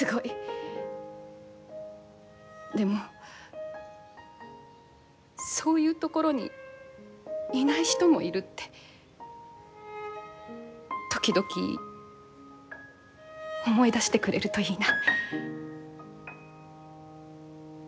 でもそういうところにいない人もいるって時々思い出してくれるといいな。